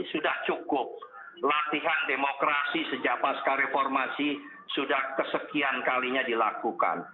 sudah cukup latihan demokrasi sejak pasca reformasi sudah kesekian kalinya dilakukan